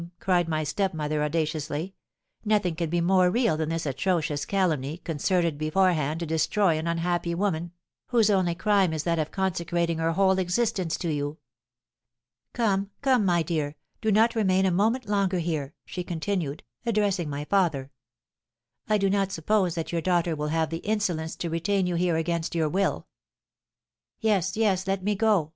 cried my stepmother, audaciously; 'nothing can be more real than this atrocious calumny, concerted beforehand to destroy an unhappy woman, whose only crime is that of consecrating her whole existence to you. Come, come, my dear, do not remain a moment longer here!' she continued, addressing my father; 'I do not suppose that your daughter will have the insolence to retain you here against your will.' "'Yes, yes, let me go!'